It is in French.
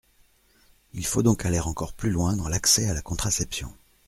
Il faut donc aller encore plus loin dans l’accès à la contraception.